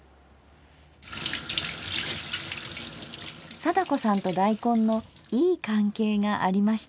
貞子さんと大根のいい関係がありました。